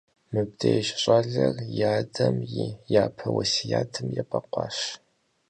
Мыбдеж щӀалэр и адэм и япэ уэсятым ебэкъуащ.